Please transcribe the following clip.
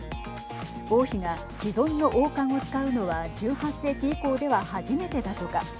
王妃が既存の王冠を使うのは１８世紀以降では初めてだとか。